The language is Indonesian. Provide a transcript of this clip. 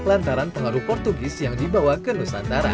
lantaran pengaruh portugis yang dibawa ke nusantara